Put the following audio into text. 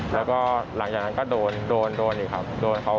แล้วก็หลังจากนั้นก็โดนโดนอีกครับโดนเขา